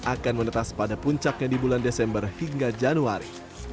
akan menetas pada puncaknya di bulan desember hingga januari